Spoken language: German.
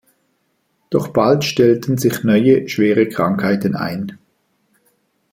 Doch bald stellten sich neue schwere Krankheiten ein.